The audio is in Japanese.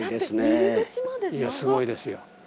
すごいですよ。